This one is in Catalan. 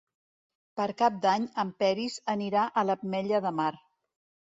Per Cap d'Any en Peris anirà a l'Ametlla de Mar.